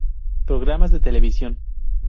Programas de televisión